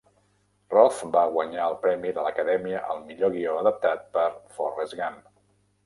Roth va guanyar el premi de l'Acadèmia al millor guió adaptat per "Forrest Gump".